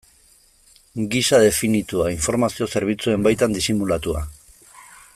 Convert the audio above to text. Gisa definitua, informazio zerbitzuen baitan disimulatua.